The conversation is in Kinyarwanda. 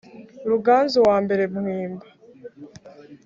ruganzu wa mbere bwimba